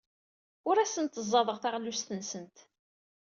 Ur asent-ẓẓadeɣ taɣlust-nsent.